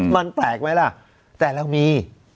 มันแปลกไหมล่ะแต่เรามี